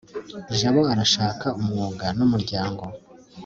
jabo arashaka umwuga n'umuryango